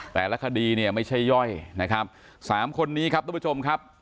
แต่ละคดีเนี่ยไม่ใช่ย่อยนะครับสามคนนี้ครับทุกผู้ชมครับ